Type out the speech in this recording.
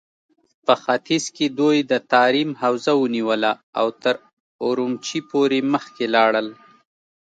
په ختيځ کې دوی د تاريم حوزه ونيوله او تر اورومچي پورې مخکې لاړل.